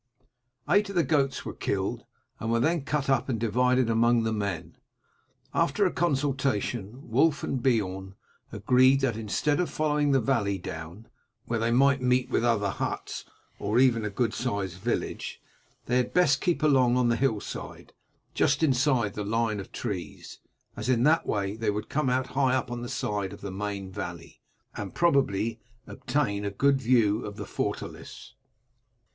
Eight of the goats were killed, and were then cut up and divided among the men. After a consultation Wulf and Beorn agreed that instead of following the valley down, where they might meet with other huts, or even a good sized village, they had best keep along on the hillside, just inside the line of trees, as in that way they would come out high up on the side of the main valley, and probably obtain a good view of the fortalice.